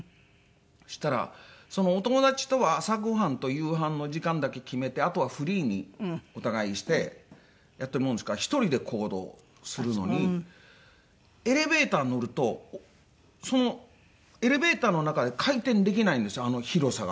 そしたらそのお友達とは朝ごはんと夕飯の時間だけ決めてあとはフリーにお互いしてやってるもんですから１人で行動するのにエレベーターに乗るとエレベーターの中で回転できないんですよ広さが。